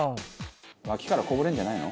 「脇からこぼれるんじゃないの？」